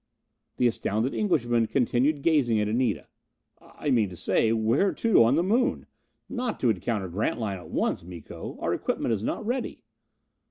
The astounded Englishman continued gazing at Anita. "I mean to say, where to on the Moon? Not to encounter Grantline at once, Miko? Our equipment is not ready."